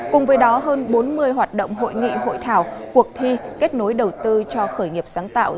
cùng với đó hơn bốn mươi hoạt động hội nghị hội thảo cuộc thi kết nối đầu tư cho khởi nghiệp sáng tạo